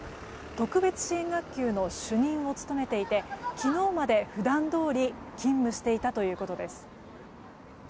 特別支援学級の主任を務めていて昨日まで普段どおり勤務していたということです。